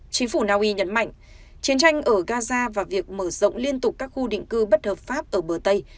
chính phủ naui nhấn mạnh chiến tranh ở gaza và việc mở rộng liên tục các khu định cư bất hợp pháp ở bờ tây